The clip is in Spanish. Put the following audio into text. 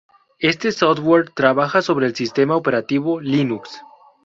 Este software trabaja sobre el sistema operativo Linux.